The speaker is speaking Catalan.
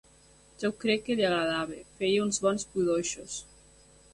Ja ho crec que li agradava, feia uns bons budoixos!